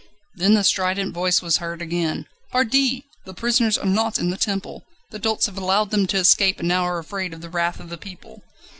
Then the strident voice was heard again: "Pardi! the prisoners are not in the Temple! The dolts have allowed them to escape, and now are afraid of the wrath of the people!"